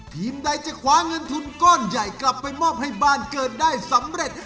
ใดจะคว้าเงินทุนก้อนใหญ่กลับไปมอบให้บ้านเกิดได้สำเร็จ